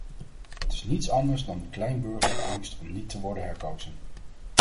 Het is niets anders dan de kleinburgerlijke angst om niet te worden herkozen.